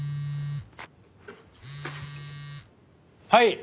はい。